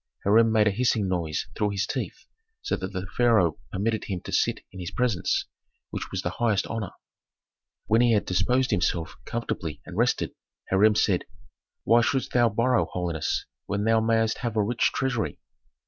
Hiram made a hissing noise through his teeth, so that the pharaoh permitted him to sit in his presence, which was the highest honor. When he had disposed himself comfortably and rested, Hiram said, "Why shouldst thou borrow, holiness, when thou mayst have a rich treasury?"